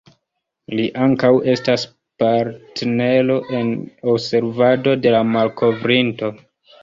Li ankaŭ estas partnero en observado de la malkovrinto.